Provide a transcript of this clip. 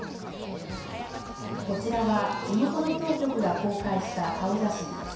こちらは地元の当局が公開した顔写真です。